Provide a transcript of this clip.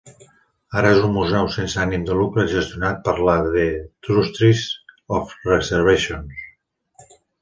Ara és un museu sense ànim de lucre gestionat per The Trustees of Reservations.